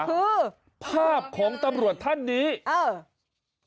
คือภาพของตำรวจท่านนี้เออ